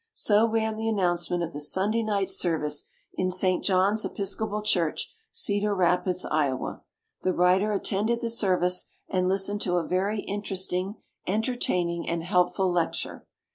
So ran the announcement of the Sunday night service in St. John's Episcopal Church, Cedar Rapids. Iowa. The writer attended the service and listened to a very interesting, entertaining, and helpful lecture.